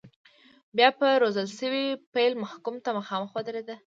بیا به روزل شوی پیل محکوم ته مخامخ ودرېد.